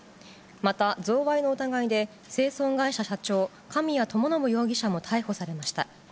また贈賄の疑いで、清掃会社社長、神谷知伸容疑者も逮捕されました。